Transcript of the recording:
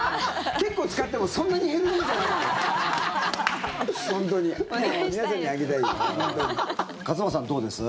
結構、使ってもそんなに減るもんじゃないんだよ。